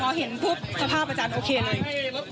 พอเห็นปุ๊บสภาพอาจารย์โอเคเลย